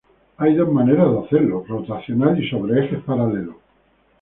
Hay dos maneras de hacerlo; rotacional y sobre ejes paralelos.